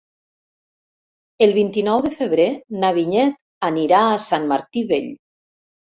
El vint-i-nou de febrer na Vinyet anirà a Sant Martí Vell.